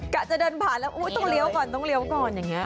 กะจะเดินผ่านแล้วต้องเลี้ยวก่อนอย่างนี้